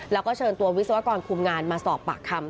แล้วก็เชิญตัววิศวกรคุมงานมาสอบปากคำ